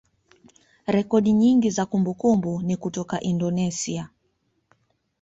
rekodi nyingi za kumbukumbu ni kutoka Indonesia.